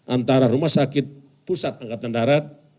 antara rumah sakit pusat angkatan darat